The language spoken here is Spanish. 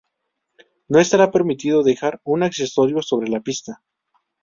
No estará permitido dejar un accesorio sobre la pista.